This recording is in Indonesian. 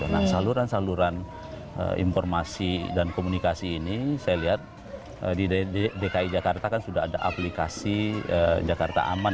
nah saluran saluran informasi dan komunikasi ini saya lihat di dki jakarta kan sudah ada aplikasi jakarta aman